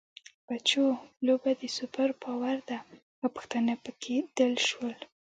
بچو! لوبه د سوپر پاور ده او پښتانه پکې دل شول.